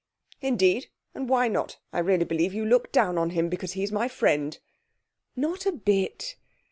'Indeed, and why not? I really believe you look down on him because he's my friend.' 'Not a bit.